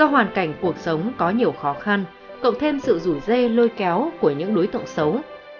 năm hai nghìn một mươi bảy do hoàn cảnh cuộc sống có nhiều khó khăn cộng thêm sự rủ dê lôi kéo của những đối tộng xấu